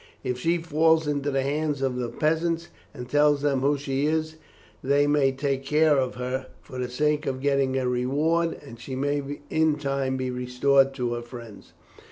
If she falls into the hands of the peasants, and tells them who she is, they may take care of her for the sake of getting a reward, and she may in time be restored to her friends.